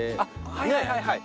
はいはいはいはい。